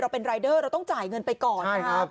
เป็นรายเดอร์เราต้องจ่ายเงินไปก่อนนะครับ